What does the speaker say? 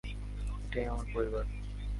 এটাই আমার পরিবার।